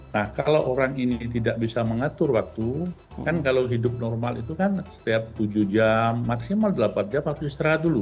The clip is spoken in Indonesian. nah kalau orang ini tidak bisa mengatur waktu kan kalau hidup normal itu kan setiap tujuh jam maksimal delapan jam harus istirahat dulu